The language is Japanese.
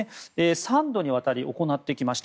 ３度にわたり行ってきました。